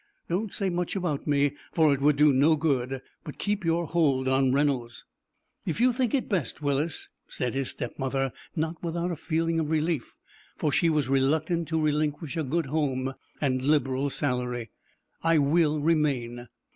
Don't say much about me, for it would do no good; but keep your hold on Reynolds." "If you think it best, Willis," said his stepmother, not without a feeling of relief, for she was reluctant to relinquish a good home and liberal salary, "I will remain."